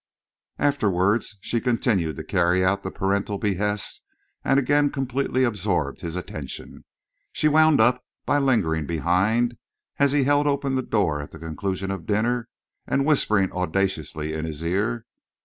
Afterwards she continued to carry out the parental behest and again completely absorbed his attention. She wound up by lingering behind, as he held open the door at the conclusion of dinner, and whispering audaciously in his ear.